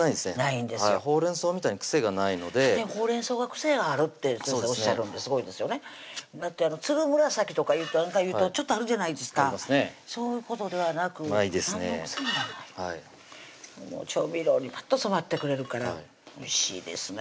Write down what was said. ほうれんそうみたいに癖がないのでほうれんそうが癖あるって先生おっしゃるんですごいですよねだってつるむらさきとかいうとちょっとあるじゃないですかそういうことではなく何の癖もない調味料にパッと染まってくれるからおいしいですね